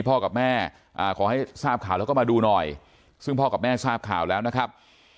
พอพี่พ่อกับแม่ก็สร้างข่าวเขาก็มาดูหน่อยซึ่งพ่อกับแม่ทราบข่าวแล้วนะครับ